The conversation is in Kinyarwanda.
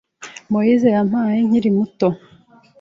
Moise yampaye nkiri muto.